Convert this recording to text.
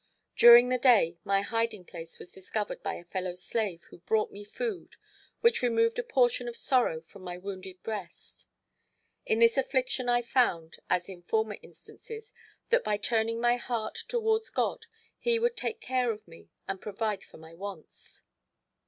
During the day my hiding place was discovered by a fellow slave who brought me food, which removed a portion of sorrow from my wounded breast. In this affliction I found, as in former instances, that by turning my heart towards God, He would take care of me and provide for my wants.